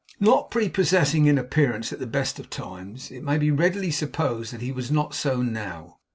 Not prepossessing in appearance at the best of times, it may be readily supposed that he was not so now.